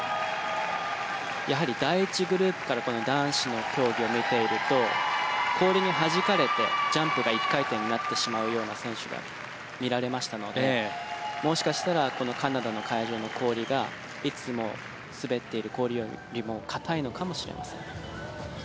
やはり第１グループから男子の競技を見ていると氷にはじかれてジャンプが１回転になってしまうような選手が見られましたのでもしかしたらカナダの会場の氷がいつも滑っている氷よりも硬いのかもしれません。